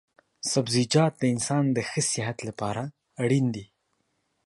سبزيجات د انسان د ښه صحت لپاره اړين دي